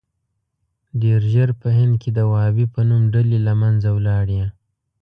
ډېر ژر په هند کې د وهابي په نوم ډلې له منځه ولاړې.